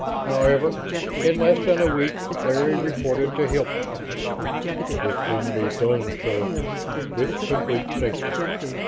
However, in less than a week Larry reported to Hilton. "It can be done, sir, with complete safety.